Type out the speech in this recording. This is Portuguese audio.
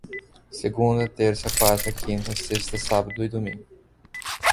Segunda, terça, quarta, quinta, sexta, sábado e domingo